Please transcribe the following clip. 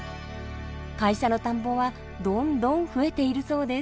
会社の田んぼはどんどん増えているそうです。